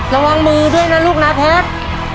ระวังมือด้วยนะลูกนะเพชร